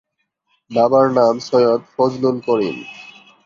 বাবার নাম সৈয়দ ফজলুল করিম।